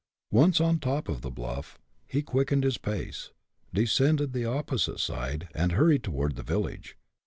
Once on top of the bluff, he quickened his pace, descended the opposite side, and hurried toward the village.